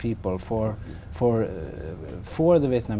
ở quốc gia việt nam